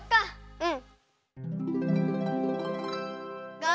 うん！